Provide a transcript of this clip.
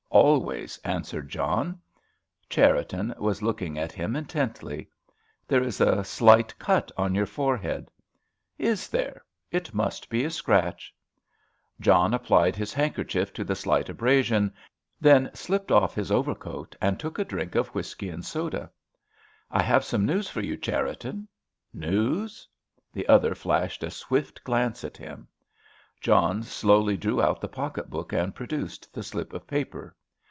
"Always," answered John. Cherriton was looking at him intently. "There is a slight cut on your forehead." "Is there? It must be a scratch." John applied his handkerchief to the slight abrasion, then slipped off his overcoat and took a drink of whisky and soda. "I have some news for you, Cherriton." "News?" The other flashed a swift glance at him. John slowly drew out the pocket book and produced the slip of paper.